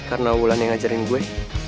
karena wulan yang ngajarin gue